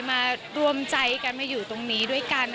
มารวมใจกันมาอยู่ตรงนี้ด้วยกัน